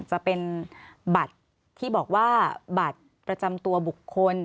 จะเป็นบัตรที่บอกว่าบัตรประจำตัวบุคคล